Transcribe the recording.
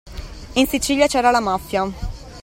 In Sicilia c’era la Mafia.